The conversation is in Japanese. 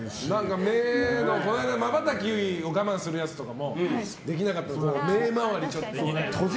この間、まばたきを我慢するやつとかもできなかったんで目回りは。